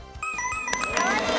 かわいい！